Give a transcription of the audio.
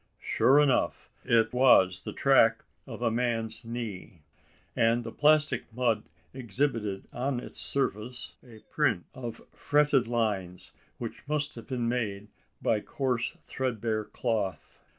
Sure enough, it was the track of a man's knee; and the plastic mud exhibited on its surface a print of fretted lines, which must have been made by coarse threadbare cloth!